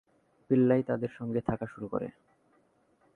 পিল্লাই তাদের সঙ্গে থাকা শুরু করে।